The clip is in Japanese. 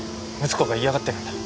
睦子が嫌がってるんだ。